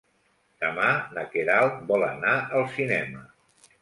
Demà na Queralt vol anar al cinema.